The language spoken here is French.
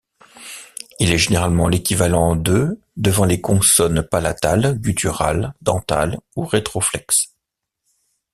Il est généralement l’équivalent de devant les consonnes palatales, gutturales, dentales ou rétroflexes.